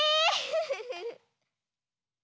フフフ。